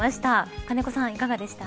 金子さん、いかがでした。